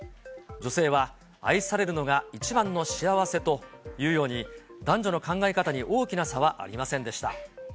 女性は、愛されるのが一番の幸せというように、男女の考え方に大きな差はありませんでした。